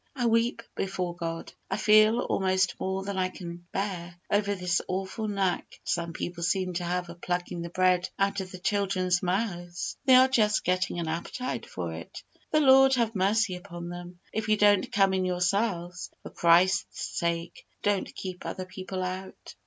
I weep before God, I feel almost more than I can bear, over this awful knack that some people seem to have of plucking the bread out of the children's mouths when they are just getting an appetite for it. The Lord have mercy upon them! If you don't come in yourselves, for Christ's sake don't keep other people out.